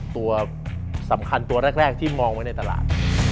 ตัวสำคัญตัวแรกที่มองไว้ในตลาด